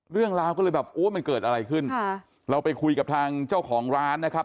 เรื่องราวก็เลยแบบโอ้ยมันเกิดอะไรขึ้นค่ะเราไปคุยกับทางเจ้าของร้านนะครับ